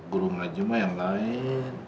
gurung aja mah yang lain